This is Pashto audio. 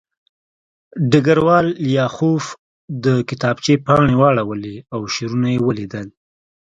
ډګروال لیاخوف د کتابچې پاڼې واړولې او شعرونه یې ولیدل